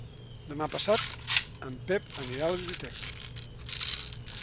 Demà passat en Pep anirà a la biblioteca.